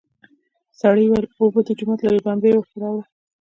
سړي وويل: اوبه د جومات له بمبې ورته راوړه!